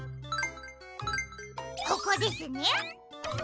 ここですね。